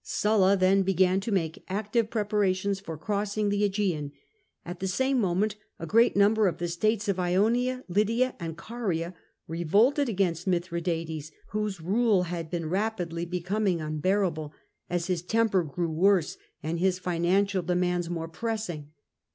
Sulla then began, to make active prepara tions for crossing the ^gean : at the same moment a great number of the states of Ionia, Lydia, and Caria revolted against Mithradates, whose rule had been rapidly becom ing unbearable, as Ms temper grew worse and his financial demands more pressing.